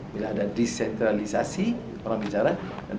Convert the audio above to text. bila ada desentralisasi orang bicara